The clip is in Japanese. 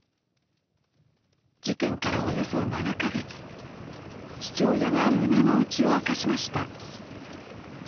事件からおよそ７か月、父親が胸の内を明かしました。